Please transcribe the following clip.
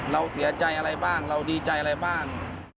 เราเสียใจอะไรบ้างเราดีใจอะไรบ้าง